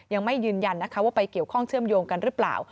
ยังไม่ยืนยันนะคะว่าไปเกี่ยวข้องเชื่อมโยงกันหรือเปล่า